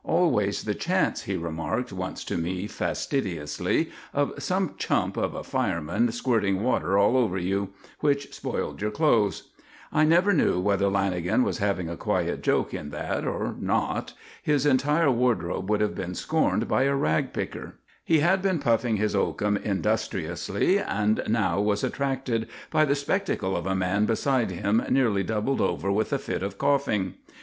Always the chance, he remarked once to me fastidiously, of some chump of a fireman squirting water all over you, which spoiled your clothes. I never knew whether Lanagan was having a quiet joke in that or not. His entire wardrobe would have been scorned by a rag picker. He had been puffing his oakum industriously, and now was attracted by the spectacle of a man beside him nearly doubled over with a fit of coughing.